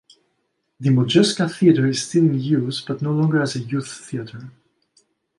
The Modjeska Theater is still in use, but no longer as a youth theater.